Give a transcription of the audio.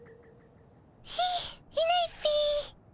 いいないっピィ。